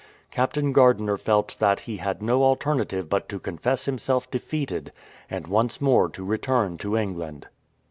Captain Gardiner felt that he had no alternative but to confess himself defeated, and once more to return to England.